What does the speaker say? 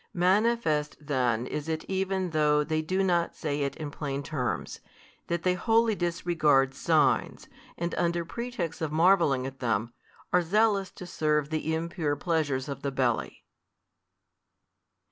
Manifest then is it even though they do not say it in plain terms, that they wholly disregard signs, and under pretext of marvelling at them, are zealous to serve the impure pleasure of the belly.